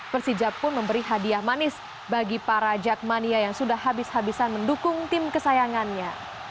persija pun memberi hadiah manis bagi para jakmania yang sudah habis habisan mendukung tim kesayangannya